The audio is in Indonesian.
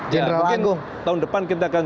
general agung tahun depan kita akan